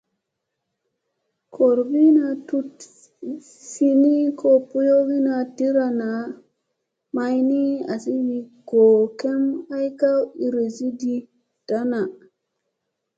Gorbina tut fi ni ka boyogina dira naa, may ni azi wi gor kemba ay ka u iirizi ɗi daŋŋa.